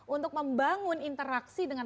untuk membangun interaksi dengan